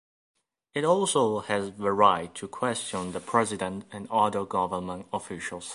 It also has the right to question the president and other government officials.